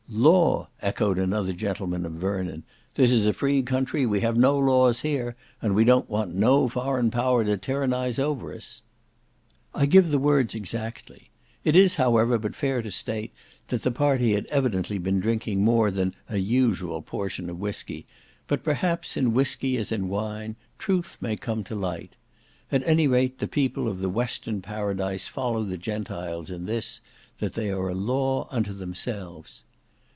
"Law!" echoed another gentleman of Vernon, "this is a free country, we have no laws here, and we don't want no foreign power to tyrannize over us." 295 I give the words exactly. It is, however, but fair to state, that the party had evidently been drinking more than an usual portion of whiskey, but, perhaps, in whiskey, as in wine, truth may come to light. At any rate the people of the Western Paradise follow the Gentiles in this, that they are a law unto themselves.